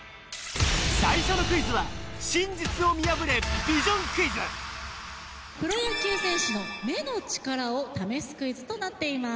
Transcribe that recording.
最初のクイズはプロ野球選手の目の力を試すクイズとなっています。